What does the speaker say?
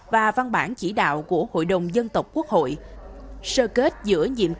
và văn bản chỉ đạo của hội đồng dân tộc quốc hội